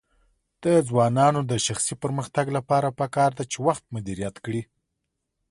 د ځوانانو د شخصي پرمختګ لپاره پکار ده چې وخت مدیریت کړي.